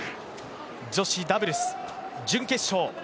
女子ダブルス準決勝